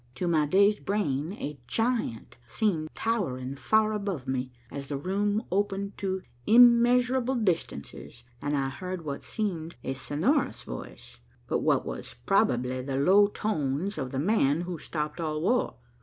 To my dazed brain a giant seemed towering far above me, as the room opened to immeasurable distances, and I heard what seemed a sonorous voice, but what was probably the low tones of the man who stopped all war.